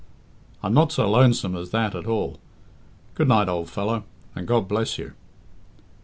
I'm not so lonesome as that at all. Good night, ould fellow, and God bless you!"